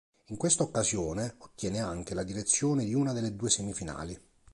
In questa occasione, ottiene anche la direzione di una delle due semifinali.